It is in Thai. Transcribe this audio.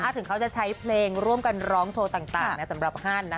ถึงเขาจะใช้เพลงร่วมกันร้องโชว์ต่างสำหรับฮัน